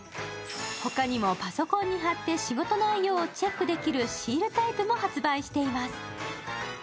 他にもパソコンに貼って仕事内容をチェックできるシールタイプも発売しています。